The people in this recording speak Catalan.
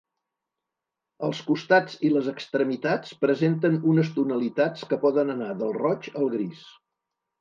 Els costats i les extremitats presenten unes tonalitats que poden anar del roig al gris.